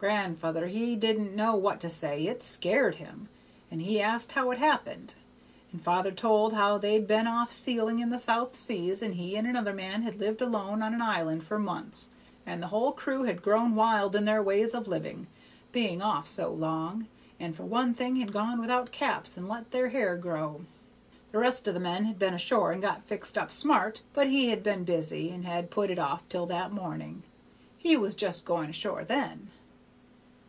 Gran'ther he didn't know what to say, it scared him, and he asked how it happened; and father told how they'd been off sealing in the South Seas, and he and another man had lived alone on an island for months, and the whole crew had grown wild in their ways of living, being off so long, and for one thing had gone without caps and let their hair grow. The rest of the men had been ashore and got fixed up smart, but he had been busy, and had put it off till that morning; he was just going ashore then.